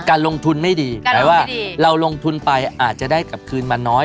การลงทุนไม่ดีแปลว่าเราลงทุนไปอาจจะได้กลับคืนมาน้อย